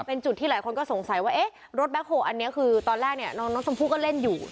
เป็นจุดที่หลายคนก็สงสัยว่ารถแบล็กโฮอันนี้ตอนแรกน้องสมผู้ก็เล่นอยู่